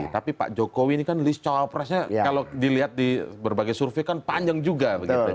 tapi pak jokowi ini kan list cawapresnya kalau dilihat di berbagai survei kan panjang juga